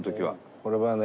これはね